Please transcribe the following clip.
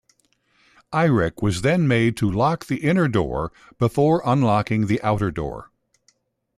Eirich was then made to lock the inner door before unlocking the outer door.